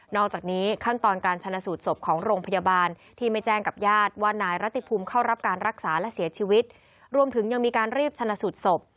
อกจากนี้ขั้นตอนการชนะสูตรศพของโรงพยาบาลที่ไม่แจ้งกับญาติว่านายรัติภูมิเข้ารับการรักษาและเสียชีวิตรวมถึงยังมีการรีบชนะสูตรศพ